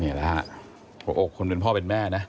นี่แหละฮะหัวอกคนเป็นพ่อเป็นแม่นะ